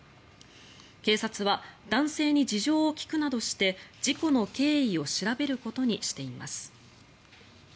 警察は男性に事情を聴くなどして事故の経緯を調べることにしています。